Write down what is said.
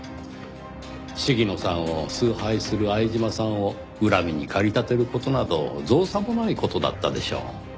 鴫野さんを崇拝する相島さんを恨みに駆り立てる事など造作もない事だったでしょう。